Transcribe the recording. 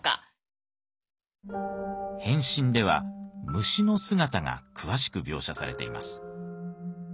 「変身」では虫の姿が詳しく描写されています。